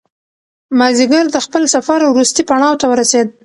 مازیګر د خپل سفر وروستي پړاو ته ورسېد.